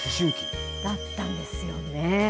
だったんですよね。